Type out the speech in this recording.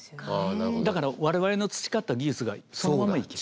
だから我々の培った技術がそのまま生きる。